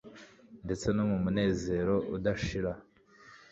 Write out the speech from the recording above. ndetse no mu munezero udashira,